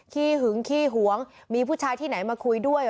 ขึงขี้หวงมีผู้ชายที่ไหนมาคุยด้วย